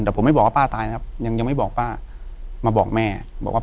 แต่ผมไม่บอกว่าป้าตายนะครับยังยังไม่บอกป้ามาบอกแม่บอกว่า